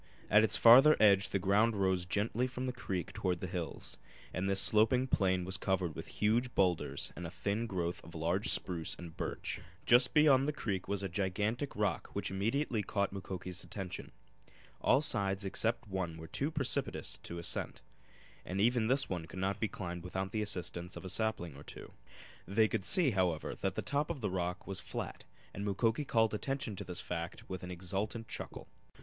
At its farther edge the ground rose gently from the creek toward the hills, and this sloping plain was covered with huge boulders and a thin growth of large spruce and birch. Just beyond the creek was a gigantic rock which immediately caught Mukoki's attention. All sides except one were too precipitous for ascent, and even this one could not be climbed without the assistance of a sapling or two. They could see, however, that the top of the, rock was flat, and Mukoki called attention to this fact with an exultant chuckle.